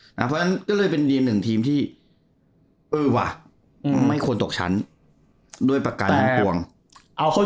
เพราะฉะนั้นก็เลยเป็นทีมที่ไม่ควรตกชั้นด้วยประกันลงกวง